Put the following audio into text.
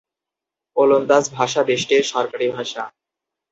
ওলন্দাজ ভাষা দেশটির সরকারি ভাষা।